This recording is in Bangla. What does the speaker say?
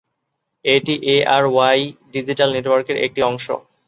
এটি এআরওয়াই ডিজিটাল নেটওয়ার্কের একটি অংশ।